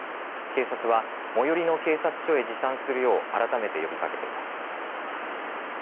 警察は最寄りの警察署へ持参するよう改めて呼びかけています。